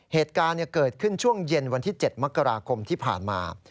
เหตุการณ์เกิดขึ้นช่วงเย็นวันที่๗มกราคมที่ผ่านมา